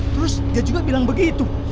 terus dia juga bilang begitu